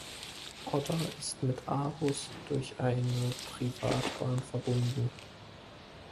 Odder ist mit Aarhus durch eine Privatbahn verbunden.